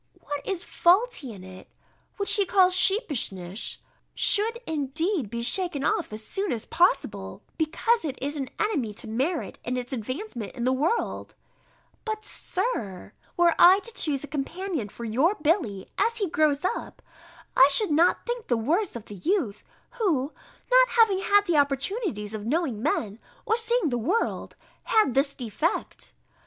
What is faulty in it, which he calls sheepishness, should indeed be shaken off as soon as possible, because it is an enemy to merit in its advancement in the world: but, Sir, were I to choose a companion for your Billy, as he grows up, I should not think the worse of the youth, who, not having had the opportunities of knowing men, or seeing the world, had this defect.